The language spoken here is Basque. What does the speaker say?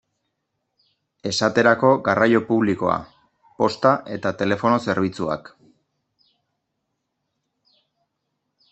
Esaterako garraio publikoa, posta eta telefono zerbitzuak.